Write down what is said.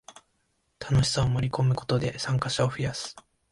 楽しさを盛りこむことで参加者を増やす